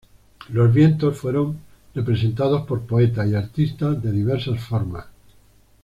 Los vientos fueron representados por poetas y artistas de diversas formas.